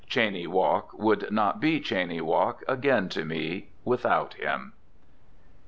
Cheyne Walk would not be Cheyne Walk again to me without him.